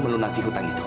ayah masih hidup kan bu